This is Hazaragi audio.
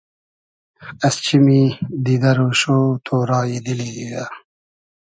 از چیمی دیدۂ رۉشۉ ، تۉرای دیلی دیدۂ